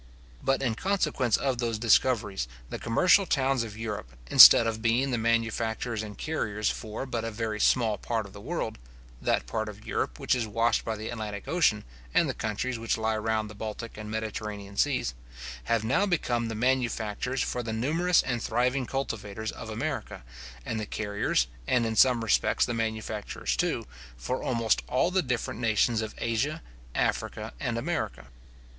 But in consequence of those discoveries, the commercial towns of Europe, instead of being the manufacturers and carriers for but a very small part of the world (that part of Europe which is washed by the Atlantic ocean, and the countries which lie round the Baltic and Mediterranean seas), have now become the manufacturers for the numerous and thriving cultivators of America, and the carriers, and in some respects the manufacturers too, for almost all the different nations of Asia, Africa, and America.